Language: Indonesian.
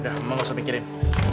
udah mama nggak usah mikirin